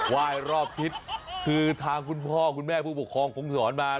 ยรอบทิศคือทางคุณพ่อคุณแม่ผู้ปกครองคงสอนมา